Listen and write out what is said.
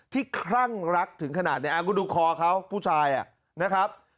ที่คลั่งรักถึงขนาดนี้อ้าวกูดูคอเขาผู้ชายอ่ะนะครับ